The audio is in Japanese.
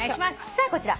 さあこちら。